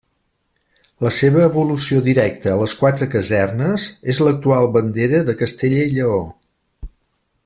La seva evolució directa a les quatre casernes és l'actual bandera de Castella i Lleó.